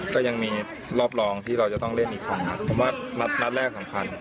ก็ยังมีรอบรองที่เราจะต้องเล่นอีกสองนัดผมว่านัดแรกสำคัญ